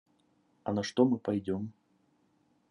А на что мы пойдем?